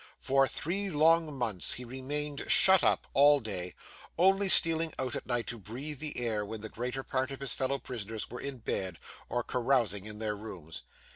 For three long months he remained shut up, all day; only stealing out at night to breathe the air, when the greater part of his fellow prisoners were in bed or carousing in their rooms.